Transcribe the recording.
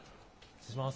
失礼します。